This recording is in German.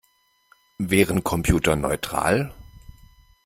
Wären Computer neutral?